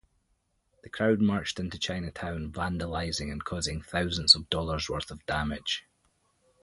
The crowd marched into Chinatown, vandalizing and causing thousands of dollars' worth of damage.